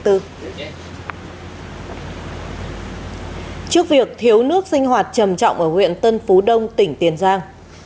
trước việc thiếu nước sinh hoạt trầm trọng ở huyện tân phú đông tỉnh tiền giang